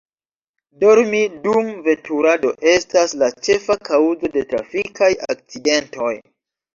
Dormi dum veturado estas la ĉefa kaŭzo de trafikaj akcidentoj.